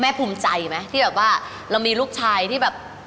ภูมิใจไหมที่แบบว่าเรามีลูกชายที่แบบ